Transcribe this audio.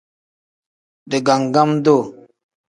Digangam-duu.